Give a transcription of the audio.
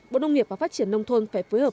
bộ nông nghiệp và phát triển nông thôn phải phối hợp